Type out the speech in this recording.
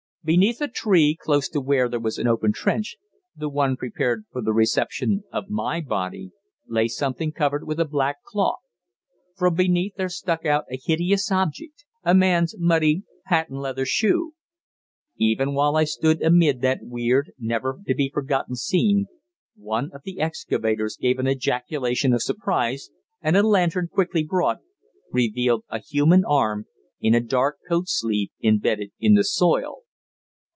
Beneath a tree, close to where was an open trench the one prepared for the reception of my body lay something covered with a black cloth. From beneath there stuck out a hideous object a man's muddy patent leather shoe! Even while I stood amid that weird, never to be forgotten scene, one of the excavators gave an ejaculation of surprise, and a lantern, quickly brought, revealed a human arm in a dark coat sleeve embedded in the soil.